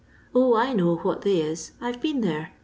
0, I know what they is. I 've been there.